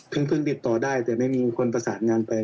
เพิ่งติดต่อได้แต่ไม่มีคนประสานงานไป